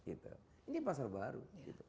ini pasar baru